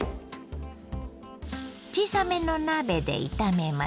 小さめの鍋で炒めます。